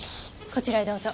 こちらへどうぞ。